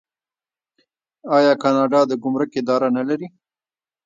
آیا کاناډا د ګمرک اداره نلري؟